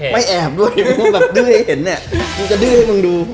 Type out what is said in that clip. ไม่แอบด้วยดื้อให้เห็นเนี่ยมันจะดื้อให้มันดู